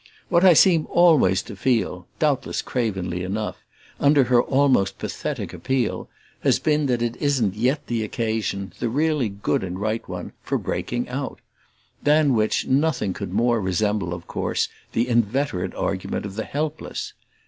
What I seem always to feel, doubtless cravenly enough, under her almost pathetic appeal, has been that it isn't yet the occasion, the really good and right one, for breaking out; than which nothing could more resemble of course the inveterate argument of the helpless.